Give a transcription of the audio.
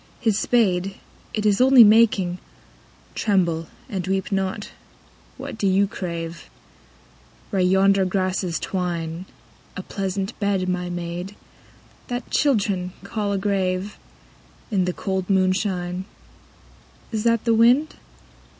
His spade, it Is only making, — (Tremble and weep not I What do you crave ?) Where yonder grasses twine, A pleasant bed, my maid, that Children call a grave, In the cold moonshine. Is that the wind